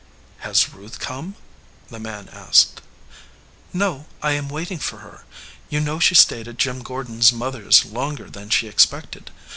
"Has Ruth come?" the man asked. "No. I am waiting for her. You know she stayed at Jim Gordon s mother s longer than she expected.